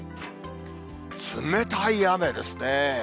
冷たい雨ですね。